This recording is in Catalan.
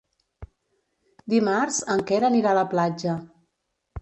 Dimarts en Quer anirà a la platja.